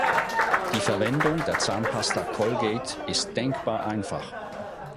Die Verwendung der Zahnpasta Colgate ist denkbar einfach.